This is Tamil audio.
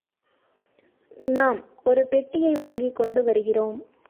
நாம் ஒரு பெட்டியை வாங்கிக்கொண்டு வருகிறோம்.